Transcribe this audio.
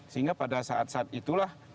sehingga pada saat saat itulah